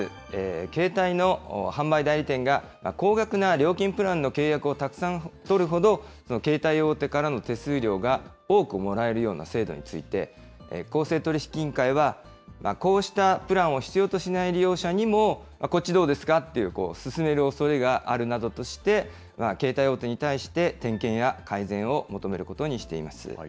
携帯の販売代理店が、高額な料金プランの契約をたくさん取るほど、携帯大手からの手数料が多くもらえるような制度について、公正取引委員会は、こうしたプランを必要としない利用者にもこっちどうですかっていう、勧めるおそれがあるなどとして、携帯大手に対して、点検や改善を求めることにしています。